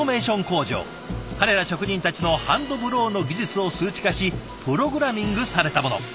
工場彼ら職人たちのハンドブローの技術を数値化しプログラミングされたもの。